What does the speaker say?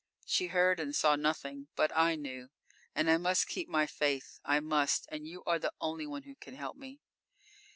She heard and saw nothing. But I knew. And I must keep my faith. I must, and you are the only one who can help me.